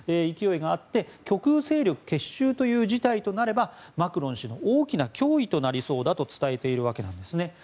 勢いがあって極右勢力結集という事態となればマクロン氏の大きな脅威となりそうだと伝えています。